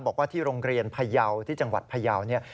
บอกว่าที่โรงเรียนพยาวที่จังหวัดพยาวเนี่ย